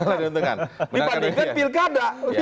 di bandingkan pilkada